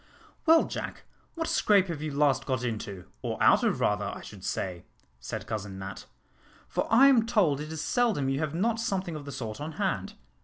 "Well, Jack, what scrape have you last got into, or out of rather, I should say?" said Cousin Nat, "for I am told it is seldom you have not something of the sort on hand.